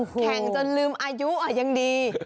แข่งจนลืมอายุยังดี